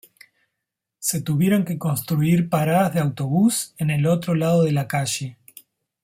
Se tuvieron que construir paradas de autobús en el otro lado de la calle.